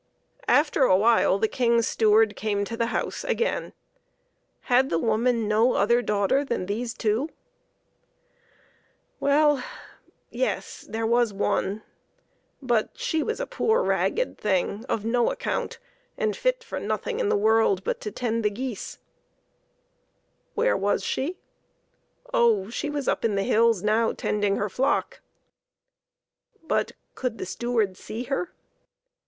After a while the King's steward came to the house again. Had the woman no other daughter than these two ? Well, yes ; there was one, but she was a poor ragged thing, of no account, and fit for nothing in the world but to tend the geese. 114 PEPPER AND SALT. Where was she? Oh, she was up on the hills now tending her flock. But could the steward see her?